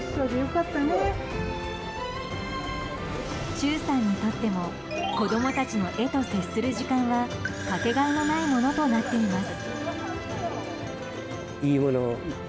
忠さんにとっても子供たちの絵と接する時間はかけがえのないものとなっています。